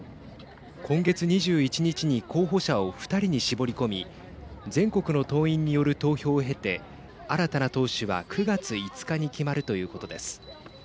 今月２１日に候補者を２人に絞り込み全国の党員による投票を経て新たな党首は９月５日に決まるということです。